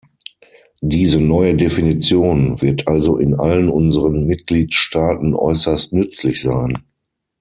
Diese neue Definition wird also in allen unseren Mitgliedstaaten äußerst nützlich sein.